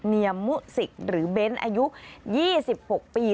เนียมมุสิกหรือเบ้นอายุ๒๖ปี